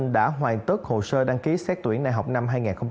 đã hoàn tất hồ sơ đăng ký xét tuyển đại học năm hai nghìn một mươi chín